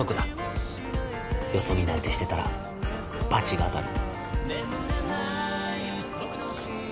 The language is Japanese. よそ見なんてしてたらバチが当たる